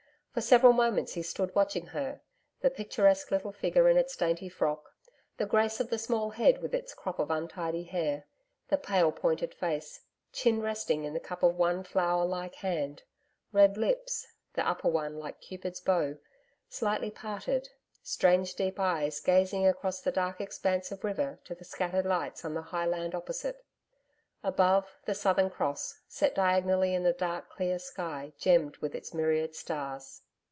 For several moments he stood watching her the picturesque little figure in its dainty frock, the grace of the small head with its crop of untidy hair, the pale pointed face chin resting in the cup of one flower like hand, red lips the upper one like Cupid's bow slightly parted, strange deep eyes gazing across the dark expanse of river to the scattered lights on the high land opposite. Above, the Southern Cross, set diagonally, in the dark clear sky gemmed with its myriad stars.